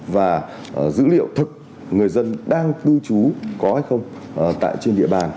và dữ liệu thực người dân đang cư trú có hay không tại trên địa bàn